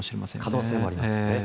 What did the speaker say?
可能性もありますね。